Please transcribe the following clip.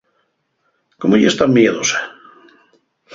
¿Cómo yes tan miedosa?